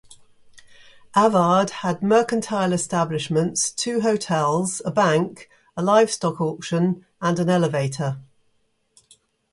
Avard had mercantile establishments, two hotels, a bank, a livestock auction, and an elevator.